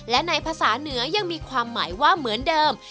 และในภาษาเหนือยังมีความหมายว่าเหมือนเดิม